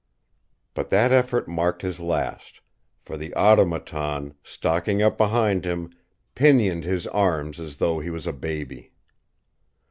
But that effort marked his last, for the Automaton, stalking up behind him, pinioned his arms as though he was a baby.